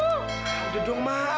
udah dong ma